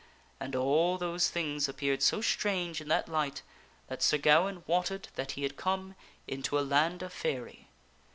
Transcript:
And all those things appeared so strange in that light that Sir Gawaine wotted that he had come into a land of faery.